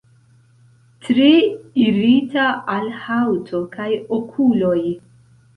Tre irita al haŭto kaj okuloj.